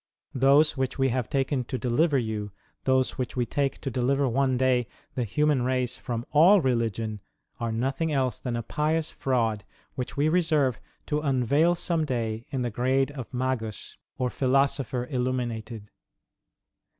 Those which we have taken to deliver you, those which we take to deliver one day the human race from all religion, are nothing else than a pious fraud which we reserve to unveil some day in the grade of Magus or Philosopher Illuminated.